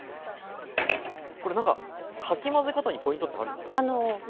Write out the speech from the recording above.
これ何かかき混ぜ方にポイントってあるんですか？